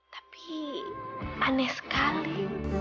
tapi aneh sekali